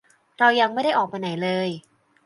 เรายังไม่ได้ออกไปไหนเลย